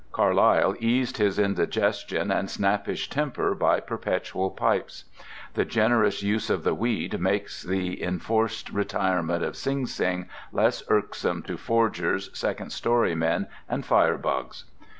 Carlyle eased his indigestion and snappish temper by perpetual pipes. The generous use of the weed makes the enforced retirement of Sing Sing less irksome to forgers, second story men, and fire bugs.